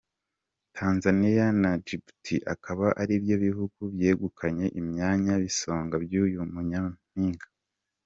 Tanzania na Djibuti akaba aribyo bihugu byegukanye imyanya b’ibisonga by’uyu nyampinga.